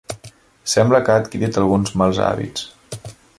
Sembla que ha adquirit alguns mals hàbits